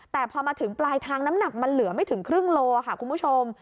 แต่พอมาถึงปลายทางน้ำหนักมันเหลือไม่ถึงครึ่งโลค่ะคุณผู้ชม